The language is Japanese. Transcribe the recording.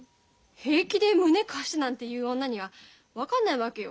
平気で胸貸してなんて言う女には分かんないわけよ